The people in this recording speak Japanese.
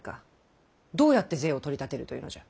どうやって税を取り立てるというのじゃ。